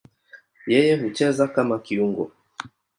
Yeye hucheza kama kiungo.